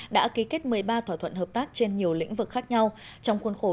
đã ký kết một mươi ba thỏa thuận hợp tác trên nhiều lĩnh vực khác nhau trong khuôn khổ